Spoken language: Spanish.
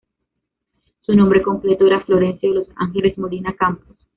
Su nombre completo era Florencio de los Ángeles Molina Campos.